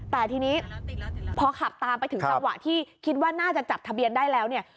แต่ทีนี้พอขับตามไปถึงจังหวะที่คิดว่าน่าจะจับทะเบียนได้แล้วเนี่ย